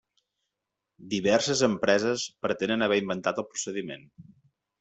Diverses empreses pretenen haver inventat el procediment.